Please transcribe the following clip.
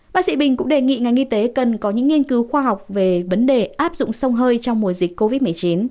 bác sĩ bình cũng đề nghị ngành y tế cần có những nghiên cứu khoa học về vấn đề áp dụng sông hơi trong mùa dịch covid một mươi chín